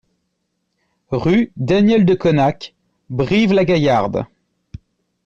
Rue Daniel de Cosnac, Brive-la-Gaillarde